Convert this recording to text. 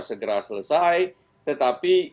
segera selesai tetapi